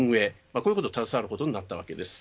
こういうことを携わることになったんです。